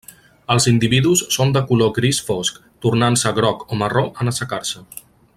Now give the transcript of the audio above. Els individus són de color gris fosc, tornant-se groc o marró en assecar-se.